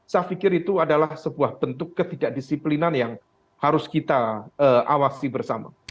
saya pikir itu adalah sebuah bentuk ketidakdisiplinan yang harus kita awasi bersama